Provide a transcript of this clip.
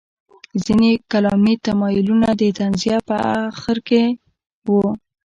ځینې کلامي تمایلونه د تنزیه په اخر سر کې وو.